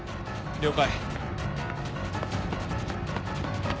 了解。